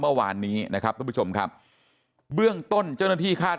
เมื่อวานนี้นะครับทุกผู้ชมครับเบื้องต้นเจ้าหน้าที่คาด